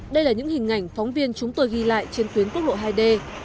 đây là những hình ảnh phóng viên chúng tôi ghi lại trên tuyến quốc lộ hai d